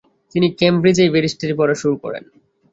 তিনি কেমব্রিজেই ব্যারিস্টারি পড়া শুরু করেন।